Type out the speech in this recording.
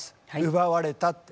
「奪われた」って。